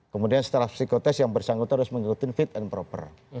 kemudian setelah psikotest yang bersangkutan harus mengikuti fit and proper